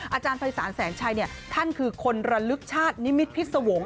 อาจารย์ภัยศาลแสนชัยท่านคือคนระลึกชาตินิมิตพิษวงศ์